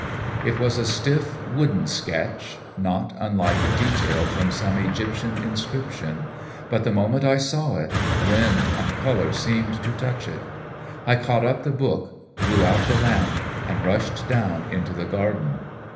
It was a stiff, wooden sketch, not unlike a detail from some Egyptian inscription, but, the moment I saw it, wind and color seemed to touch it. I caught up the book, blew out the lamp, and rushed down into the garden.